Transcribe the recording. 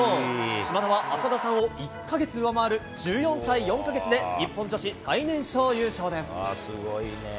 島田は、浅田さんを１か月上回る１４歳４か月で日本女子最年少優勝です。